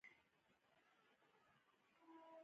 منابع پای لري.